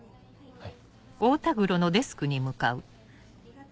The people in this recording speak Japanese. はい。